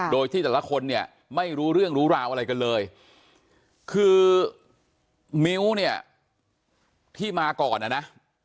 โดยที่แต่ละคนเนี่ยไม่รู้เรื่องรู้ราวอะไรกันเลยคือมิ้วเนี่ยที่มาก่อนนะ